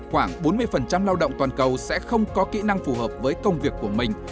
khoảng bốn mươi lao động toàn cầu sẽ không có kỹ năng phù hợp với công việc của mình